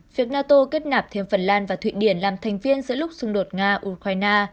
việc nato kết nạp thêm phần lan và thụy điển làm thành viên giữa lúc xung đột nga ukraine